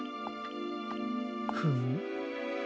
フム？